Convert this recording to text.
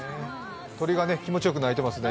鳥が気持ちよく鳴いていますね。